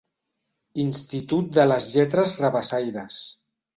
Institut de les lletres rabassaires.